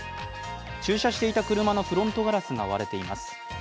駐車していた車のフロントガラスが割れています。